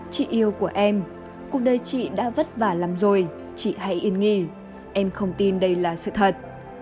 chị yêu của em cuộc đời chị đã vất vả lắm rồi chị hãy yên nghỉ em không tin đây là sự thật